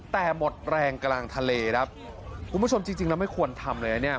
แต่หมดแรงกลางทะเลครับคุณผู้ชมจริงจริงแล้วไม่ควรทำเลยนะเนี่ย